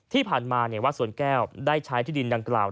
ที่ผ่านมาวัดสวนแก้วได้ใช้ที่ดินดังกล่าว